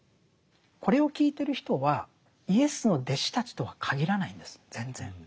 これを聞いてる人はイエスの弟子たちとは限らないんです全然。